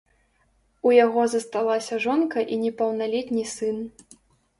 У яго засталася жонка і непаўналетні сын.